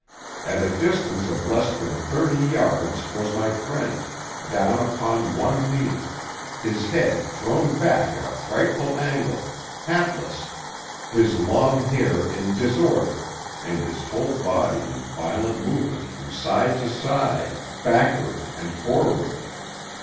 At a distance of less than thirty yards was my friend, down upon one knee, his head thrown back at a frightful angle, hatless, his long hair in disorder and his whole body in violent movement from side to side, backward and forward.